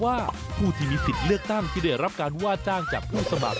ผู้ช่วยหาเสียงต้องเป็นผู้ที่มีสิทธิ์เลือกตั้งมีอายุ๑๘นาทีและเป็นผู้ช่วยหาเสียงที่ได้แจ้งรายละเอียดหน้าที่